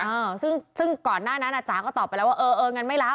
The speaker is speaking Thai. เออซึ่งซึ่งก่อนหน้านั้นอ่ะจ๋าก็ตอบไปแล้วว่าเออเอองั้นไม่รับ